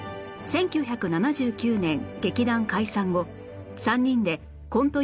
１９７９年劇団解散後３人でコント